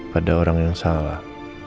pada orang yang salah